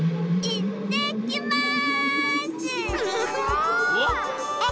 いってきます！